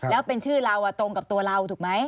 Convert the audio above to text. แล้วเป็นชื่อเราตรงกับตัวเราถูกไหม